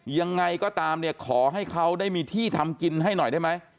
ยังไงก็ตามเนี่ยขอให้เขาได้มีที่ทำกินให้หน่อยได้ไหม